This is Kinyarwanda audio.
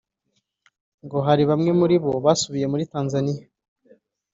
ngo hari bamwe muri bo basubiye muri Tanzania